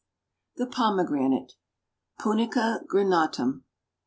THE POMEGRANATE. (_Punica granatum.